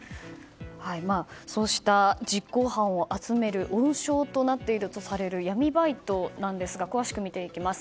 そうした実行犯を集める温床となっているとされる闇バイトを詳しく見ていきます。